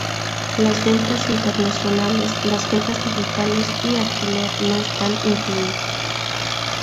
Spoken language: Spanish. Las ventas internacionales, las ventas digitales y alquiler no están incluidos.